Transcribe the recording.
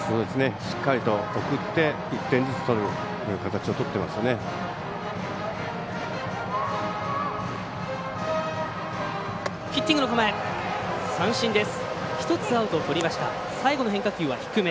しっかりと送って１点ずつ取る形をとっていますよね。